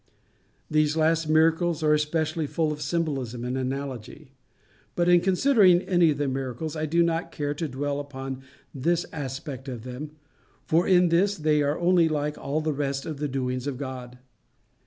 These last miracles are especially full of symbolism and analogy. But in considering any of the miracles, I do not care to dwell upon this aspect of them, for in this they are only like all the rest of the doings of God.